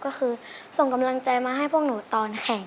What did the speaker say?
ก็คือส่งกำลังใจมาให้พวกหนูตอนแข่ง